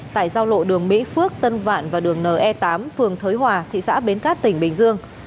tại giao lộ đường mỹ phước tân vạn và đường ne tám phường thới hòa thị xã bến cát tỉnh bình dương